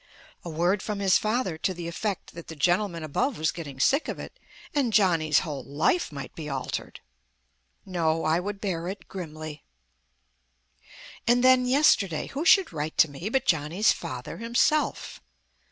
A word from his father to the effect that the gentleman above was getting sick of it, and Johnny's whole life might be altered. No, I would bear it grimly. And then, yesterday, who should write to me but Johnny's father himself.